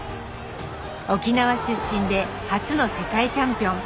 沖縄出身で初の世界チャンピオン。